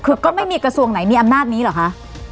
คือก็ไม่มีกระทรวงไหนมีอำนาจนี้เหรอคะ